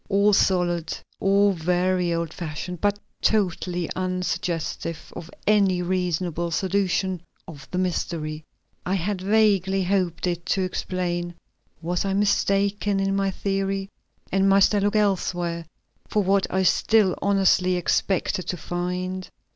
All solid, all very old fashioned, but totally unsuggestive of any reasonable solution of the mystery I had vaguely hoped it to explain. Was I mistaken in my theory, and must I look elsewhere for what I still honestly expected to find?